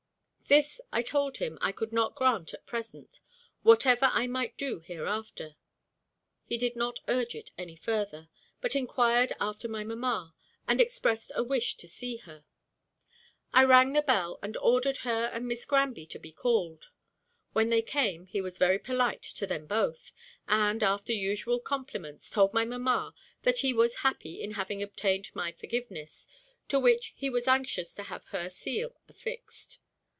This, I told him, I could not grant at present, whatever I might do hereafter. He did not urge it any further, but inquired after my mamma, and expressed a wish to see her. I rang the bell, and ordered her and Miss Granby to be called. When they came he was very polite to them both, and, after usual compliments, told my mamma that he was happy in having obtained my forgiveness, to which he was anxious to have her seal affixed.